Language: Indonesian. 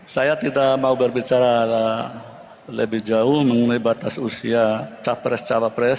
saya tidak mau berbicara lebih jauh mengenai batas usia capres cawapres